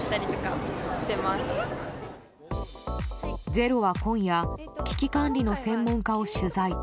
「ｚｅｒｏ」は今夜危機管理の専門家を取材。